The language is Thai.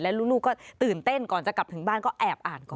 ลูกก็ตื่นเต้นก่อนจะกลับถึงบ้านก็แอบอ่านก่อน